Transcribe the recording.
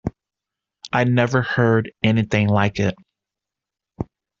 I never heard anything like it.